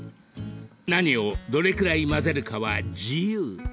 ［何をどれくらい混ぜるかは自由］